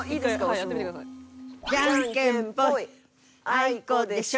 あいこでしょ。